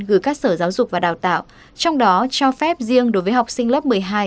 gửi các sở giáo dục và đào tạo trong đó cho phép riêng đối với học sinh lớp một mươi hai